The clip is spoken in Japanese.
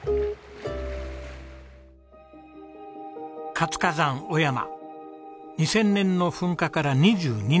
活火山雄山２０００年の噴火から２２年。